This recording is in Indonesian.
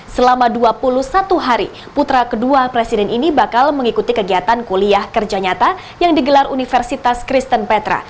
selama dua puluh satu hari putra kedua presiden ini bakal mengikuti kegiatan kuliah kerja nyata yang digelar universitas kristen petra